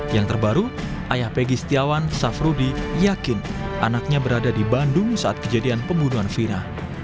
yang terbaru ayah pegi setiawan safrudi yakin anaknya berada di bandung saat kejadian pembunuhan vira